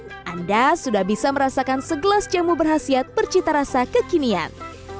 dan anda sudah bisa merasakan segelas jamu berhasil percita rasa kekinian